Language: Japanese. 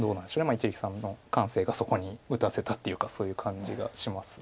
一力さんの感性がそこに打たせたっていうかそういう感じがします。